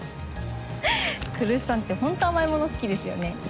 来栖さんってほんと甘いもの好きですよね。